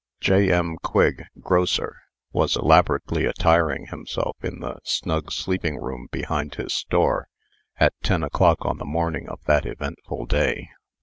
J.M. Quigg, grocer, was elaborately attiring himself in the snug sleeping room behind his store, at ten o'clock on the morning of the eventful day.